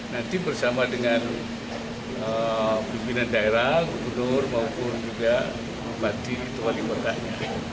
nanti bersama dengan pembina daerah gubernur maupun juga bati itu hal yang penting